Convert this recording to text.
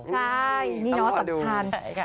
ใช่นี่น้องสะพาน